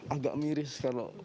agak miris kalau